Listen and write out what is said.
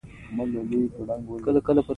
چوپتیا، د پوه سړي زینت دی.